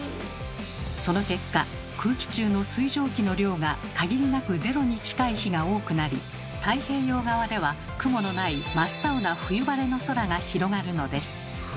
その結果空気中の水蒸気の量が限りなくゼロに近い日が多くなり太平洋側では雲のない真っ青な冬晴れの空が広がるのです。